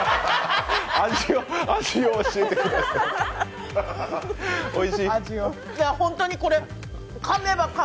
味を教えてください。